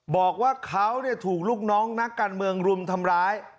บอกว่าเขาถูกลูกน้องนักการเมืองรุมทำร้าย